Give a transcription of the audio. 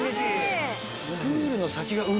プールの先が海？